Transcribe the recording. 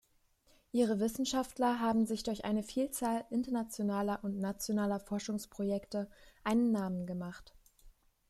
Ihre Wissenschaftler haben sich durch eine Vielzahl internationaler und nationaler Forschungsprojekte einen Namen gemacht.